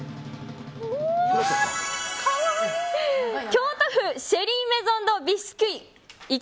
京都府、シェリー・メゾン・ド・ビスキュイ。